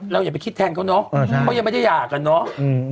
อย่าไปคิดแทนเขาเนอะเขายังไม่ได้หย่ากันเนาะ